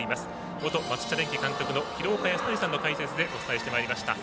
元松下電器監督の廣岡資生さんの解説でお伝えしてまいりました。